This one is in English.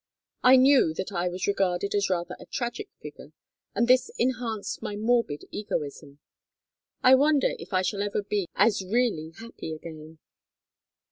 I knew that I was regarded as rather a tragic figure, and this enhanced my morbid egoism. I wonder if I shall ever be as really happy again!